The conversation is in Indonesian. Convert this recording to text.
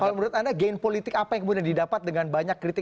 kalau menurut anda gain politik apa yang kemudian didapat dengan banyak kritik